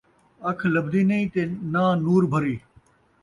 اکھ لبھدی نئیں تے ناں نور بھری